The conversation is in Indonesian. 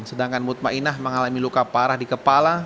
sedangkan mutmainah ⁇ mengalami luka parah di kepala